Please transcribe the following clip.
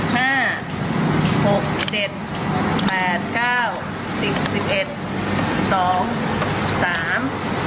ห้าหกเจ็ดแปดเก้าสิบยังสองสาม